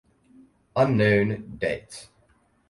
Unknown date